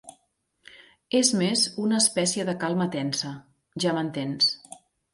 És més una espècie de calma tensa, ja m'entens.